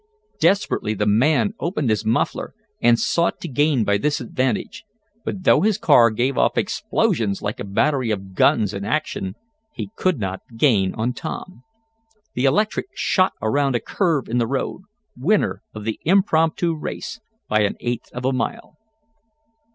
Desperately the man opened his muffler, and sought to gain by this advantage, but though his car gave off explosions like a battery of guns in action, he could not gain on Tom. The electric shot around a curve in the road, winner of the impromptu race by an eighth of a mile.